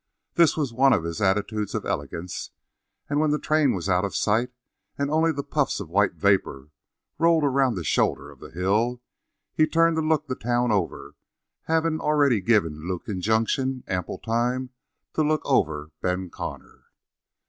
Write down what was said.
This was one of his attitudes of elegance, and when the train was out of sight, and only the puffs of white vapor rolled around the shoulder of the hill, he turned to look the town over, having already given Lukin Junction ample time to look over Ben Connor.